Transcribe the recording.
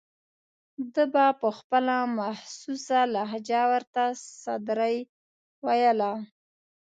ده به په خپله مخصوصه لهجه ورته سدرۍ ویله.